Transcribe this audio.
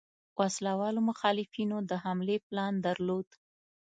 وسله والو مخالفینو د حملې پلان درلود.